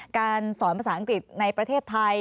การสอนภาษาอังกฤษในประเทศไทย